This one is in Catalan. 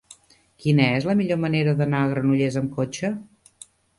Quina és la millor manera d'anar a Granollers amb cotxe?